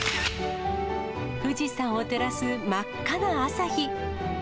富士山を照らす真っ赤な朝日。